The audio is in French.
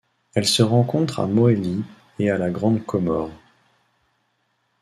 Elle se rencontre à Mohéli et à la Grande Comore.